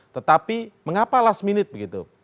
tetapi mengapa last minute begitu